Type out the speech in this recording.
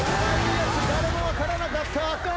誰も分からなかった！